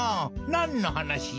なんのはなしじゃ？